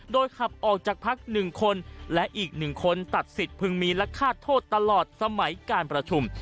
โดยขับออกจากพัก๑คนและอีก๑คนตัดสิทธิพึงมีและฆ่าโทษตลอดสมัยการประชุม